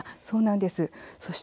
そうなんです。